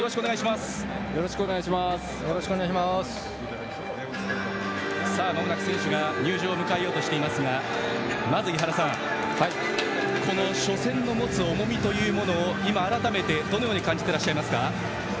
まもなく選手が入場を迎えようとしていますがまず井原さん、この初戦の持つ重みというものを今、改めてどう感じていますか。